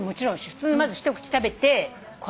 普通にまず一口食べて。